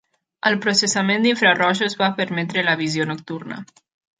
El processament d'infrarojos va permetre la visió nocturna.